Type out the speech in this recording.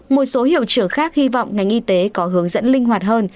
một số hiệu trưởng khác hy vọng ngành y tế có hướng dẫn linh hoạt hơn